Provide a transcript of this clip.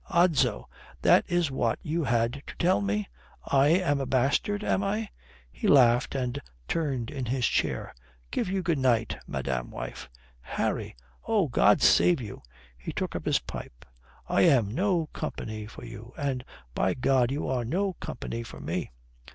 "Odso! That is what you had to tell me. I am a bastard, am I?" He laughed and turned in his chair. "Give you good night, madame wife." "Harry " "Oh, God save you!" He took up his pipe. "I am no company for you. And, by God, you are no company for me."